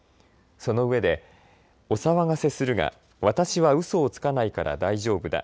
そのうえでお騒がせするが私はうそをつかないから大丈夫だ。